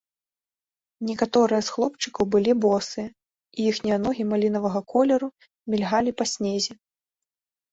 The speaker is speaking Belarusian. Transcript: Некаторыя з хлопчыкаў былі босыя, і іхнія ногі малінавага колеру мільгалі па снезе.